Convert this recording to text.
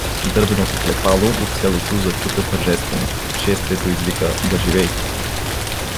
Дървеното клепало от селото зачука тържествено, шествието извика „да живей“.